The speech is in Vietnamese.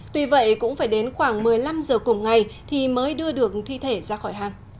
tuy vậy cũng phải đến khoảng một mươi năm giờ cùng ngày thì mới đưa được thi thể ra khỏi hang